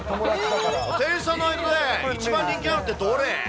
店員さんの間で一番人気なのってどれ？